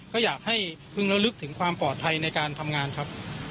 ก็อยากให้พึงระลึกถึงความปลอดภัยในการทำงานครับ